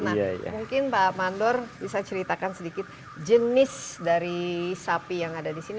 nah mungkin pak mandor bisa ceritakan sedikit jenis dari sapi yang ada di sini